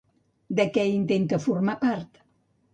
De què intenta formar part?